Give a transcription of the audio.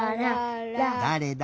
だれだ？